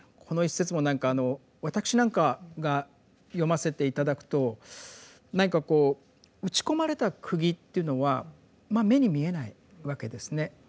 この一節も何か私なんかが読ませて頂くと何かこう打ち込まれた釘っていうのはまあ目に見えないわけですね。